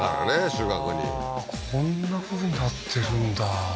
収穫にこんなことになってるんだ